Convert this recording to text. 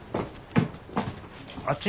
あっち？